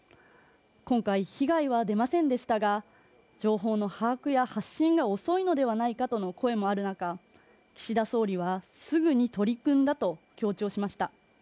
今回、被害は出ませんでしたが、情報の把握や発信が遅いのではないかとの声もある中岸田総理はすぐに取り組んだと強調しました。